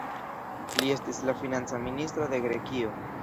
Li estis la Financa Ministro de Grekio.